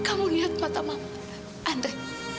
kamu lihat mata mama andre